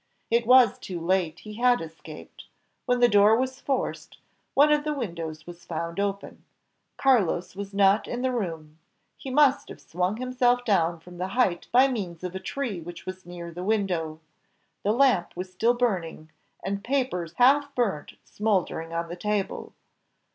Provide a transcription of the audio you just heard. It was too late, he had escaped; when the door was forced, one of the windows was found open; Carlos was not in the room; he must have swung himself down from the height by means of a tree which was near the window. The lamp was still burning, and papers half burnt smouldering on the table.